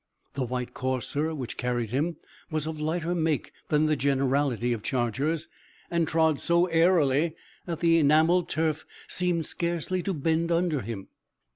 The white courser which carried him was of lighter make than the generality of chargers, and trod so airily, that the enamelled turf seemed scarcely to bend under him.